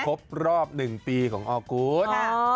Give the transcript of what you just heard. ครบรอบ๑ปีของออกูธ